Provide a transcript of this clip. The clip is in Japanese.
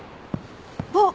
あっ。